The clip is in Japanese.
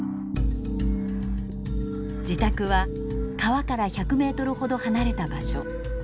自宅は川から１００ｍほど離れた場所。